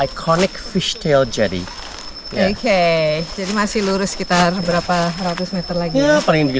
iconic fishtail jadi oke jadi masih lurus sekitar berapa ratus meter lagi paling